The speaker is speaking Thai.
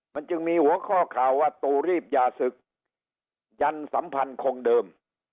มันจึงมีหัวข้อข่าวว่าตูรีบยาศึกยันสัมพันธ์คงเดิม